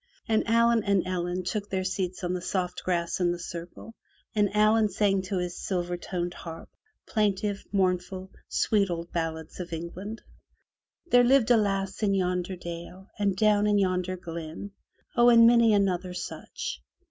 And Allen and Ellen took their seats on the soft grass in the circle and Allen sang to his silver toned harp, plaintiff, mournful, sweet old ballads of England. There lived a lass in yonder dale, and down in yonder glen, 0!'' and many another such.